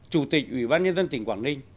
chủ tịch ủy ban nhân dân tỉnh quảng ninh